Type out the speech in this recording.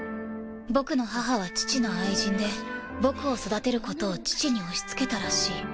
僕の母は父の愛人で僕を育てることを父に押しつけたらしい。